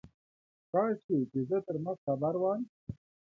کاشکي چي زه تر مخ خبر وای.